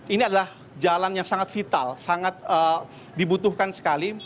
ini adalah jalan yang sangat vital sangat dibutuhkan sekali